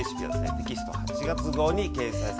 テキスト８月号に掲載されています！